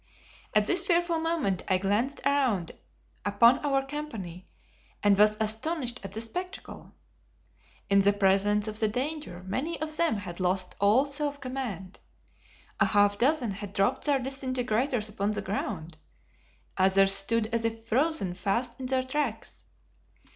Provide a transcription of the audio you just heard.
At this fearful moment I glanced around upon our company, and was astonished at the spectacle. In the presence of the danger many of them had lost all self command. A half dozen had dropped their disintegrators upon the ground. Others stood as if frozen fast in their tracks.